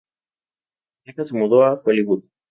La pareja se mudó a Hollywood.